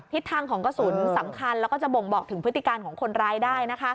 ทิศทางของกระสุนสำคัญแล้วก็จะบ่งบอกถึงพฤติการของคนร้ายได้